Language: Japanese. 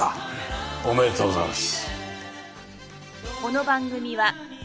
おめでとうございます。